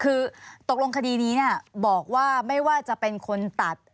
คือตกลงคดีนี้บอกว่าไม่ว่าจะเป็นคนตัด